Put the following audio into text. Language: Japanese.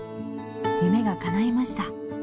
夢が叶いました。